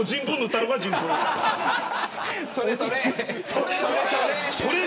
それそれ。